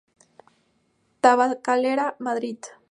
Tabacalera, Madrid.